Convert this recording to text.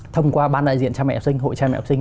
thông qua ban đại diện cha mẹ học sinh hội cha mẹ học sinh